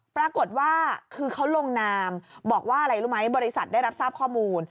ปรากฏว่าคือเขาลงนามบอกว่าอะไรรู้ไหมบริษัทได้รับทราบข้อมูล